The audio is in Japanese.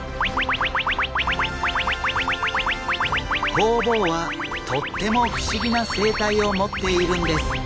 ホウボウはとっても不思議な生態を持っているんです。